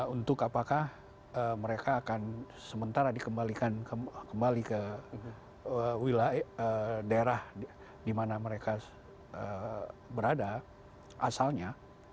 untuk apakah mereka akan sementara dikembalikan kembali ke wilayah daerah di mana mereka berada asalnya